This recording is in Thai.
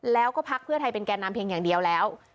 แล้วก็พักเพื่อไทยเป็นแก่นำเพียงอย่างเดียวแล้ว